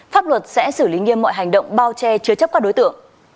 pháp luật sẽ xử lý nghiêm mọi hành động